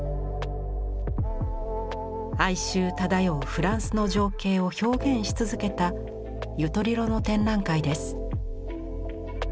哀愁漂うフランスの情景を表現し続けたユトリロの展覧会です。